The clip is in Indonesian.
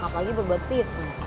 apalagi bebe pit